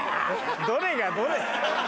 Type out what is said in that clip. どれがどれ？